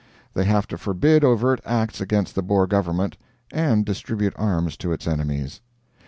They have to forbid overt acts against the Boer government, and distribute arms to its enemies.